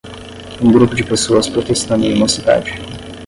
Um grupo de pessoas protestando em uma cidade.